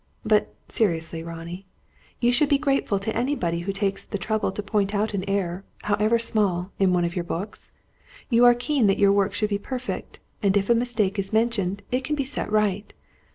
But, seriously, Ronnie, you should be grateful to anybody who takes the trouble to point out an error, however small, in one of your books. You are keen that your work should be perfect; and if a mistake is mentioned, it can be set right.